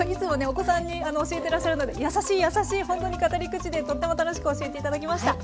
お子さんに教えてらっしゃるので優しい優しいほんとに語り口でとっても楽しく教えて頂きました！